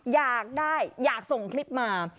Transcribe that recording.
อยากได้อยากส่งคลิปมา